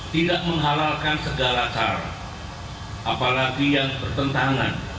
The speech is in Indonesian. tidak menghalalkan segala cara apalagi yang bertentangan